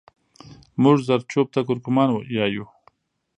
مونږ زرچوب ته کورکمان يايو